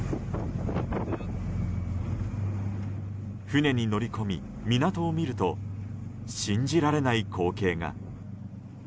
船に乗り込み、港を見ると信じられない光景が。